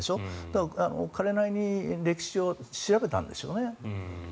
だから、彼なりに歴史を調べたんでしょうね。